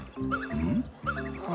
うん？